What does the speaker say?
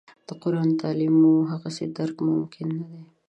د قران د تعالیمو هغسې درک ممکن نه دی.